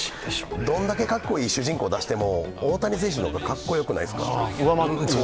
どんだけかっこいい主人公出しても大谷選手の方がかっこよくないですか？